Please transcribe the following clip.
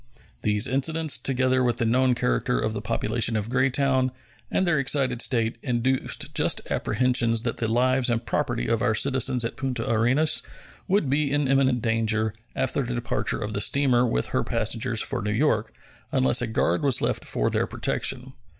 These incidents, together with the known character of the population of Greytown and their excited state, induced just apprehensions that the lives and property of our citizens at Punta Arenas would be in imminent danger after the departure of the steamer, with her passengers, for New York, unless a guard was left for their protection.